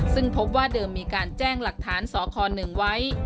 ซึ่งพบว่าเดิมมีการแจ้งหลักฐานสค๑ไว้